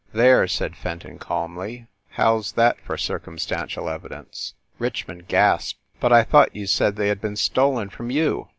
"There," said Fenton calmly, "how s that for cir cumstantial evidence?" Richmond gasped. "But I thought you said they had been stolen from you?"